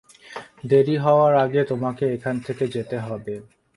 দেরি হওয়ার আগে তোমাকে এখান থেকে যেতে হবে।